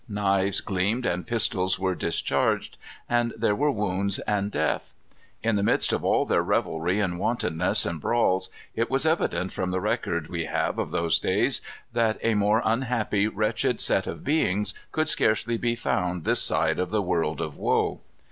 Knives gleamed, and pistols were discharged, and there were wounds and death. In the midst of all their revelry and wantonness and brawls, it is evident from the record we have of those days, that a more unhappy, wretched set of beings could scarcely be found this side of the world of woe.